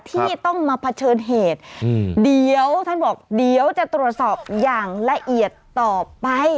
ที่ต้องมาเผชิญเหตุเดี๋ยวท่านบอกเดี๋ยวจะตรวจสอบอย่างละเอียดต่อไป